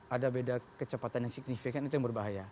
ada beda kecepatan yang signifikan itu yang berbahaya